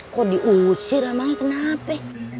kok diusir emaknya kenapa